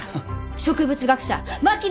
植物学者槙野